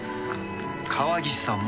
川岸さんも。